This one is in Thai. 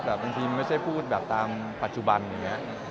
บางทีมันก็จะพูดแบบตามปัจจุบันอย่างนี้